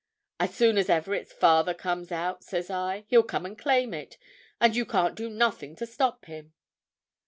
'As soon as ever its father comes out,' says I,' he'll come and claim it, and you can't do nothing to stop him.